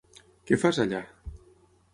Què fas allà?